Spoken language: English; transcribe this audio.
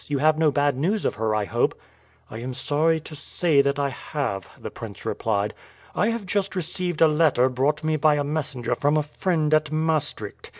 You have no bad news of her, I hope?" "I am sorry to say that I have," the prince replied. "I have just received a letter brought me by a messenger from a friend at Maastricht.